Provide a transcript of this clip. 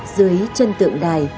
dưới chân tượng đài